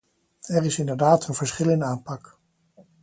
Er is inderdaad een verschil in aanpak.